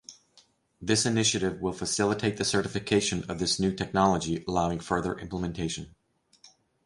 This initiative will facilitate the certification of this new technology allowing further implementation.